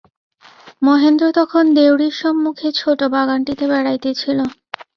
মহেন্দ্র তখন দেউড়ির সম্মুখে ছোটো বাগানটিতে বেড়াইতেছিল।